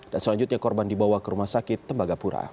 dan selanjutnya korban dibawa ke rumah sakit tembagapura